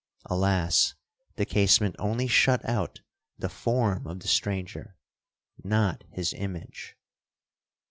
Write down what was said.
Alas! the casement only shut out the form of the stranger—not his image.'